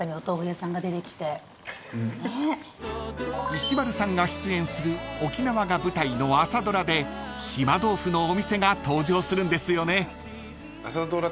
［石丸さんが出演する沖縄が舞台の朝ドラで島豆腐のお店が登場するんですよね］